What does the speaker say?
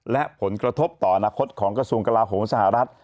และผลกระทบต่ออนาคตของกระทรวงกลาโหมสหรัฐ